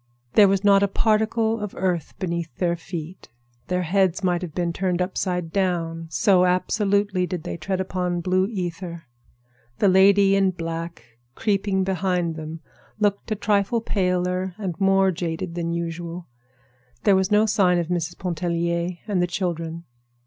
There was not a particle of earth beneath their feet. Their heads might have been turned upside down, so absolutely did they tread upon blue ether. The lady in black, creeping behind them, looked a trifle paler and more jaded than usual. There was no sign of Mrs. Pontellier and the children.